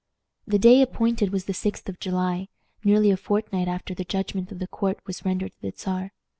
The day appointed was the 6th of July, nearly a fortnight after the judgment of the court was rendered to the Czar.